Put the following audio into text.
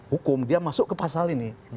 hukum dia masuk ke pasal ini